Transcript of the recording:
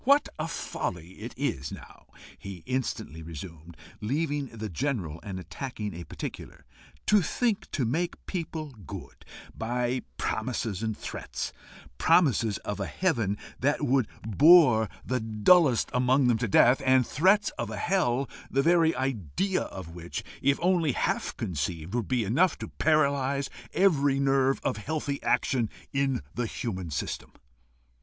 "What a folly is it now," he instantly resumed, leaving the general and attacking a particular, "to think to make people good by promises and threats promises of a heaven that would bore the dullest among them to death, and threats of a hell the very idea of which, if only half conceived, would be enough to paralyse every nerve of healthy action in the human system!"